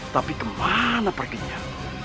tapi kemana perginya